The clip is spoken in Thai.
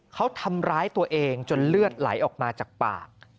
เขาทำร้ายตัวเองจนเลือดไหลออกมาจากปาก